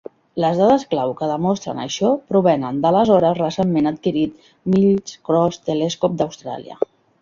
Les dades clau que demostren això provenen de l'aleshores recentment adquirit Mills Cross Telescope d'Austràlia.